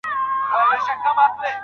روښانه فکر اندیښنه نه زیاتوي.